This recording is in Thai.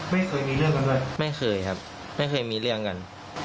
ไม่เคยมีเรื่องกันด้วยไม่เคยครับไม่เคยมีเรื่องกัน